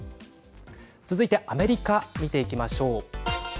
続いてアメリカ見ていきましょう。